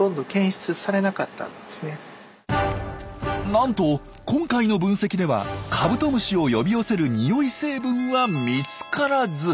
なんと今回の分析ではカブトムシを呼び寄せる匂い成分は見つからず。